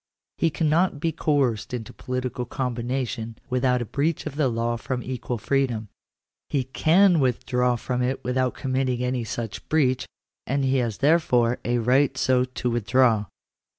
He cannot be coerced into political combination without a breach of the law of equal freedom ; he can withdraw from it without committing any such breach ; and he has therefore a right so to withdraw.